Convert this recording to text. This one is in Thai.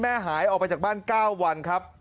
หายออกไปจากบ้าน๙วันครับ